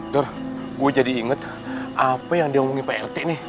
gua jadi inget apa yang diomongin pak rt nih